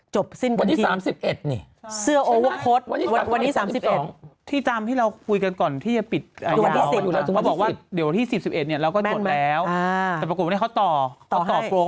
จบสิ้นกลางทีวันนี้๓๑นี่